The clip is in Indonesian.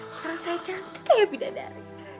sekarang saya cantik ayo bidadari